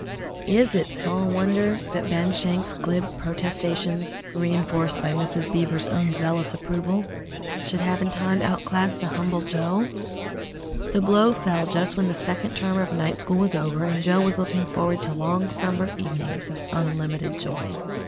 Is it small wonder that Ben Schenk's glib protestations, reinforced by Mrs. Beaver's own zealous approval, should have in time outclassed the humble Joe? The blow fell just when the second term of night school was over, and Joe was looking forward to long summer evenings of unlimited joy.